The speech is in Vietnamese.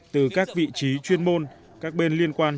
từ các vị trí chuyên môn các bên liên quan